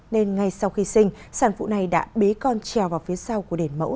nên ngay sau khi sinh sản phụ này đã bế con treo vào phía sau của đền mẫu